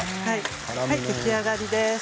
出来上がりです。